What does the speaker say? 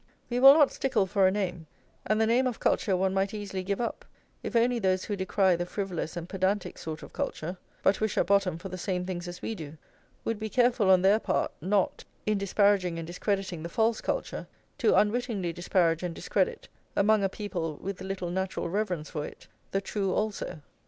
We will not stickle for a name, and the name of culture one might easily give up, if only those who decry the frivolous and pedantic sort of culture, but wish at bottom for the same things as we do, would be careful on their part, not, in disparaging and discrediting the false culture, to unwittingly disparage and discredit, among a people with little natural reverence for it, the true also.